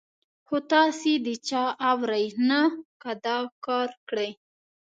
خو تاسې د چا اورئ نه، که دا کار کړئ.